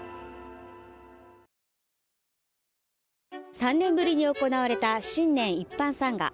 ３年ぶりに行われた新年一般参賀。